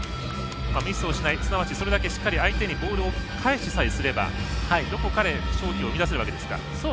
ミスをしない、すなわちそれだけしっかり相手のボールを返しさせすればどこかで勝機を生み出せるわけですか。